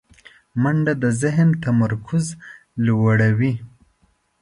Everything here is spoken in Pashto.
منډه د ذهن تمرکز لوړوي